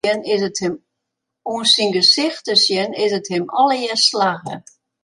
Oan syn gesicht te sjen, is it him allegear slagge.